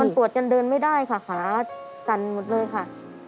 ปวดจนเดินไม่ได้ค่ะขาสั่นหมดเลยค่ะ